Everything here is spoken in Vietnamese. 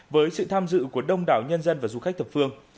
với sự tham dự của đông đảo nhân dân và du khách thập phương